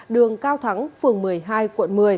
đường cao thắng phường một mươi hai quận một mươi